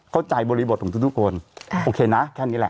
บริบทของทุกคนโอเคนะแค่นี้แหละ